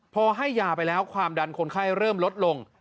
พอให้ยาไปแล้วความดันคนไข้เริ่มลดลง